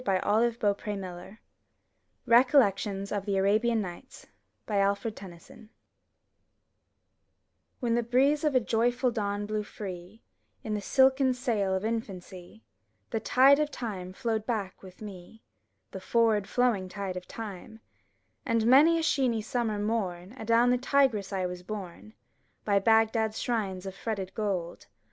55 MY BOOK HOUSE RECOLLECTIONS OF THE ARABIAN NIGHTS Alfred Tennyson When the breeze of a joyful dawn blew free In the silken sail of infancy, The tide of time flowed back with me, The forward flowing tide of time; And many a sheeny summer mom, Adown the Tigris I was borne, By Bagdad*s shrines of fretted gold.